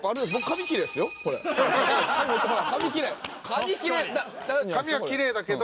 髪きれい。